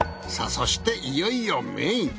そしていよいよメイン。